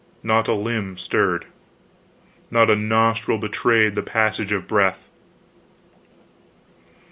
Not a limb stirred. Not a nostril betrayed the passage of breath.